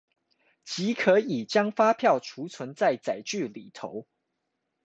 即可以將發票儲存在載具裏頭